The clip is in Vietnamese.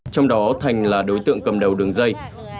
trong đó thành là đối tượng cầm đầu đường dây